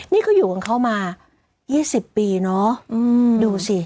นี่เขาอยู่กับเขามา๒๐ปีเนอะดูสิ